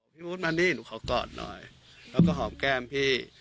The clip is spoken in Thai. พี่วุฒิมานี่หนูขอกอดหน่อยแล้วก็หอมแก้มพี่